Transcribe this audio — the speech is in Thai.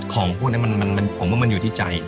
ของพวกนี้ผมว่ามันอยู่ที่ใจ